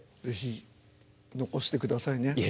是非残してくださいね。